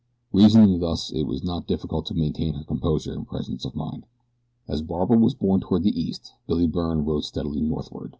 Reasoning thus it was not difficult to maintain her composure and presence of mind. As Barbara was borne toward the east, Billy Byrne rode steadily northward.